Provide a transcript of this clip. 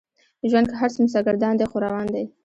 ژوند که هر څومره سرګردان دی خو روان دی.